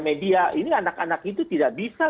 media ini anak anak itu tidak bisa